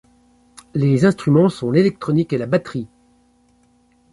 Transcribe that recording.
Les instruments sont l’electronique et la batterie.